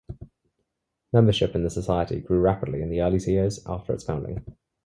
Membership in the Society grew rapidly in the early years after its founding.